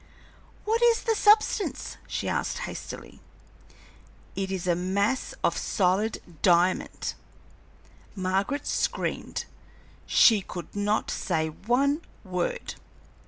"What is the substance?" she asked, hastily. "It is a mass of solid diamond!" Margaret screamed. She could not say one word.